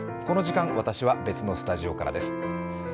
この時間、私は別のスタジオからです。